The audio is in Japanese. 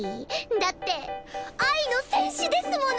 だって愛の戦士ですもの！